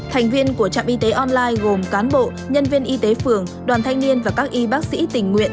thành viên của trạm y tế online gồm cán bộ nhân viên y tế phường đoàn thanh niên và các y bác sĩ tình nguyện